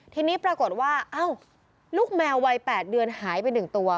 ทีนี้ปรากฏว่าลูกแมววัย๘เดือนหายไป๑ตัว